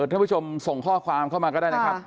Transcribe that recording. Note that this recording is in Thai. ท่านผู้ชมส่งข้อความเข้ามาก็ได้นะครับ